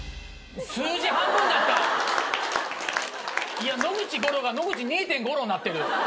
いや「野口五郎」が「野口二・五郎」になってる。